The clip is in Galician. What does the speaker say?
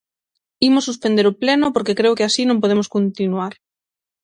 Imos suspender o pleno porque creo que así non podemos continuar.